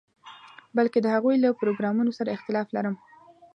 بلکې د هغوی له پروګرامونو سره اختلاف لرم.